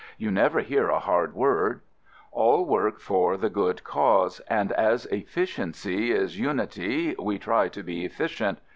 You never hear a hard word. All work for the good cause, 28 AMERICAN AMBULANCE and as efficiency is unity we try to be effi cient.